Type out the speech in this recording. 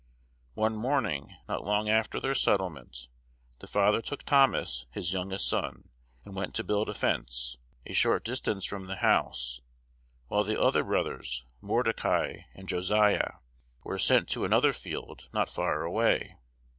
One morning, not long after their settlement, the father took Thomas, his youngest son, and went to build a fence, a short distance from the house; while the other brothers, Mordecai and Josiah, were sent to another field, not far away.